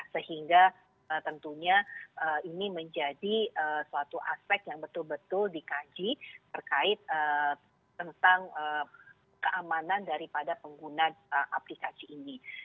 sehingga tentunya ini menjadi suatu aspek yang betul betul dikaji terkait tentang keamanan daripada pengguna aplikasi ini